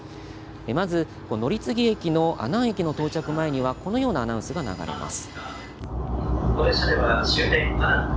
まず乗り継ぎ駅の阿南駅の到着前にはこのようなアナウンスが流れます。